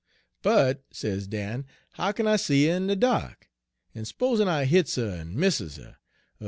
'But,' sez Dan, 'how kin I see her in de da'k? En s'posen I hits at her en misses her?